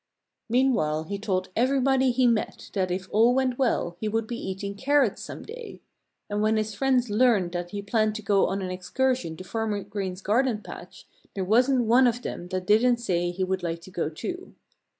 Meanwhile he told everybody he met that if all went well he would be eating carrots some day. And when his friends learned that he planned to go on an excursion to Farmer Green's garden patch there wasn't one of them that didn't say he would like to go too.